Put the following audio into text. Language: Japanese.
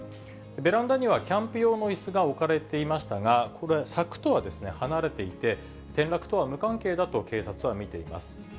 ベランダにはキャンプ用のいすが置かれていましたが、柵とは離れていて、転落とは無関係だと警察は見ています。